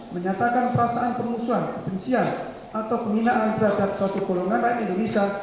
menyatakan perasaan permusuhan kebencian atau penginakan berhadap satu golongan lain indonesia